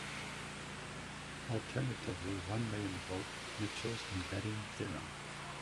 Alternatively, one may invoke Mitchell's embedding theorem.